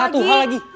satu hal lagi